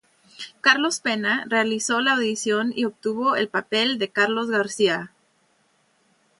Carlos Pena, realizó la audición y obtuvo el papel de Carlos García.